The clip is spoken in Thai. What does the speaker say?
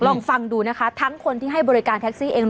ลองฟังดูนะคะทั้งคนที่ให้บริการแท็กซี่เอง